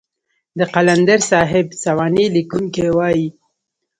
د قلندر صاحب سوانح ليکونکي وايي.